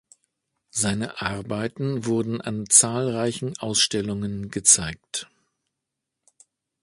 Seine Arbeiten wurden an zahlreichen Ausstellungen gezeigt.